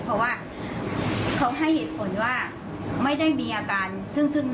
เพราะว่าเขาให้เหตุผลว่าไม่ได้มีอาการซึ่งหน้าในขณะนั้น